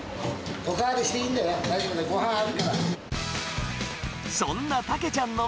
お代わりしていいんだよ、大丈夫、ごはんあるから。